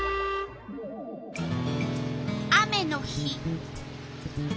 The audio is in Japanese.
雨の日。